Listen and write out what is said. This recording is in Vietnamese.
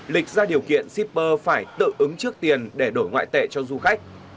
lịch ra điều kiện shipper phải tự ứng trước tiền để đổi ngoại tệ cho du khách